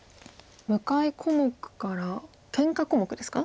向かい小目からけんか小目ですか？